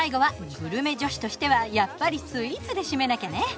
グルメ女子としてはやっぱりスイーツで締めなきゃね！